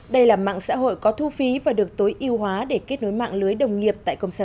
đây là mạng xã hội có thu phí và được tối ưu hóa để kết nối mạng lưới đồng nghiệp